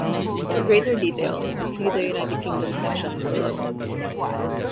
For greater detail, see the United Kingdom section, below.